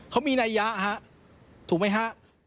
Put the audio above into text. เขามีนัยยะฮะถูกไหมฮะ